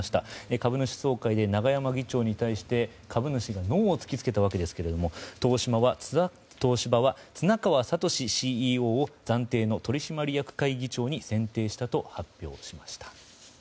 株主総会で、永山議長に対して株主がノーを突き付けた訳ですが東芝は綱川智ＣＥＯを暫定の取締役会議長に選定したと発表しました。